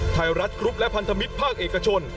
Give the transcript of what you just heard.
ไทยรัฐกรุ๊ปและพันธมิตรภาคเอกชน